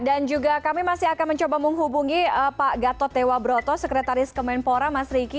dan juga kami masih akan mencoba menghubungi pak gatot dewa broto sekretaris kemenpora mas riki